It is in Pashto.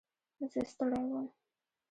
زه ستړی وم.